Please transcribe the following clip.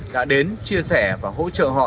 đã đến chia sẻ và hỗ trợ họ